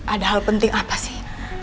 ada hal penting apa sih